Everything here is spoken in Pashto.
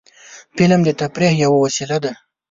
فلم د تفریح یوه وسیله ده